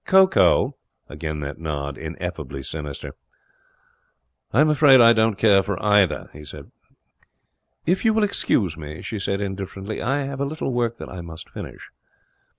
'Cocoa!' Again that nod, ineffably sinister. 'I'm afraid I don't care for either,' he said. 'If you will excuse me,' she said, indifferently, 'I have a little work that I must finish.'